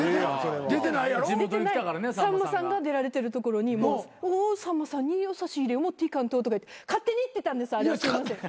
さんまさんが出られてるところに「おさんまさんに差し入れを持っていかんと」とか言って勝手に行ってたんです。